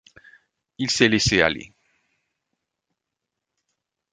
Il s'est laissé aller.